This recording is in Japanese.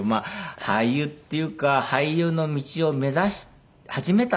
俳優っていうか俳優の道を目指し始めたっていう感じですかね。